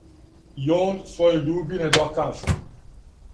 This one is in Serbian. И он својој љуби не доказа.